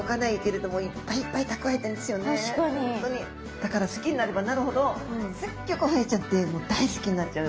だから好きになればなるほどすっギョくホヤちゃんってもう大好きになっちゃう。